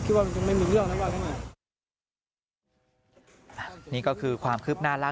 คิดว่ามันจะไม่มีเรื่องอะไรว่านี่ก็คือความคืบหน้าล่า